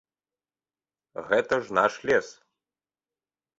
Гэта ж наш лес!